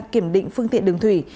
kiểm định phương tiện đường thủy